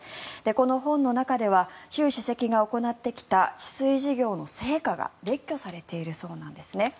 この本の中では習主席が行ってきた治水事業の成果が列挙されているそうなんです。